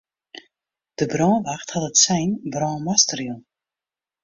De brânwacht hat it sein brân master jûn.